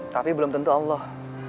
tapi belum tentu allah